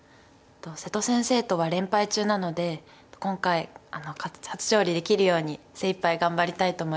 瀬戸先生とは連敗中なので今回初勝利できるように精いっぱい頑張りたいと思います。